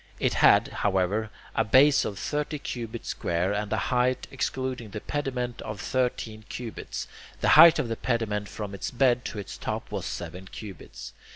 It had, however, a base of thirty cubits square, and a height, excluding the pediment, of thirteen cubits; the height of the pediment from its bed to its top was seven cubits.